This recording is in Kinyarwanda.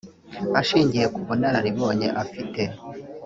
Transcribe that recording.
Ashingiye ku bunararibonye afite